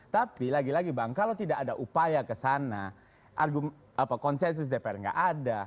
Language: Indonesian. tapi lagi lagi bang kalau tidak ada upaya ke sana konsensus dpr nggak ada